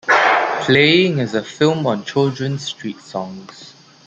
"Playing" is a film on children's street songs.